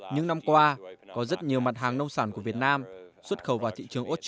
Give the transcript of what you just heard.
những năm qua có rất nhiều mặt hàng nông sản của việt nam xuất khẩu vào thị trường australia